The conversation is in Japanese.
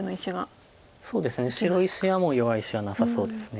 そうですね白石はもう弱い石はなさそうです。